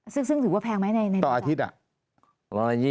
ซึ่งถือว่าแพงไหมในต่ออาทิตย์